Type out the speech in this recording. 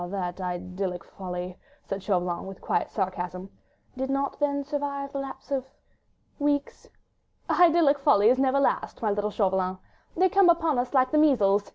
... that idyllic folly," said Chauvelin, with quiet sarcasm, "did not then survive the lapse of ... weeks?" "Idyllic follies never last, my little Chauvelin. ... They come upon us like the measles